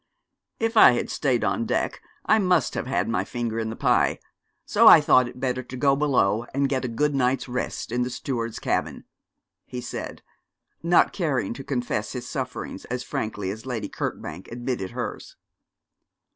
'If I had stayed on deck I must have had my finger in the pie; so I thought it better to go below and get a good night's rest in the steward's cabin,' he said, not caring to confess his sufferings as frankly as Lady Kirkbank admitted hers.